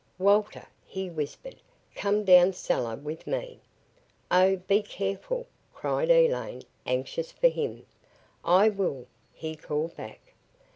"Walter," he whispered, "come down cellar with me." "Oh be careful," cried Elaine, anxious for him. "I will," he called back.